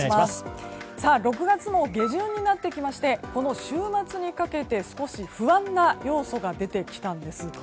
６月も下旬になってきましてこの週末にかけて少し不安な要素が出てきたんです。